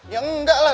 ya enggak lah